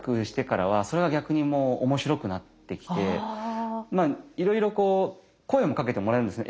でもそれはいろいろこう声もかけてもらえるんですね。